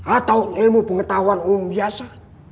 atau ilmu pengetahuan umum biasa